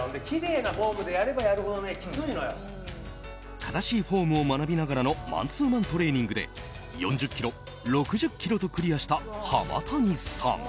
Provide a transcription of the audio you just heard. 正しいフォームを学びながらのマンツーマントレーニングで４０ｋｇ、６０ｋｇとクリアした浜谷さん。